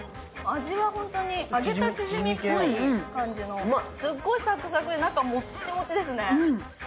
味は本当に揚げたチヂミっぽい感じですっごいサクサクで、中もっちもちですね。